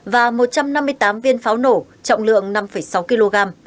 và một trăm năm mươi tám viên pháo nổ trọng lượng năm sáu kg